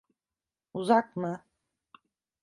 Uzak mı?